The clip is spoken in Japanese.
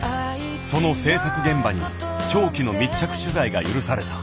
その製作現場に長期の密着取材が許された。